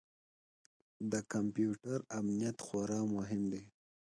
د کمپیوټر امنیت خورا مهم دی.